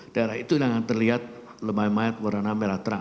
daerah itu yang terlihat lumayan mayat warna merah terang